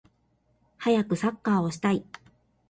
はやくサッカーをしたい